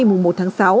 mùa một tháng sáu